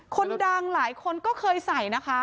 คนดังหลายคนก็เคยใส่นะคะ